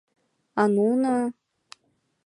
А нуно...